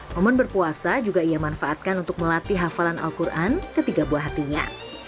momen berpuasa juga ia manfaatkan untuk melatih hafalan al quran ketiga buah hatinya